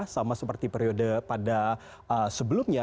sama seperti periode pada sebelumnya